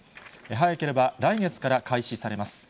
早ければ来月から開始されます。